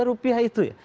dua rupiah itu ya